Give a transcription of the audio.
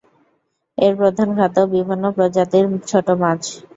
এর প্রধান খাদ্য বিভিন্ন প্রজাতির ছোট মাছ।